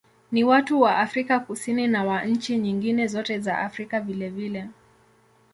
Ni wa watu wa Afrika Kusini na wa nchi nyingine zote za Afrika vilevile.